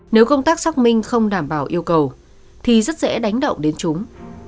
nếu công tác xác minh không đảm bảo yêu cầu thì rất dễ đánh động đến chúng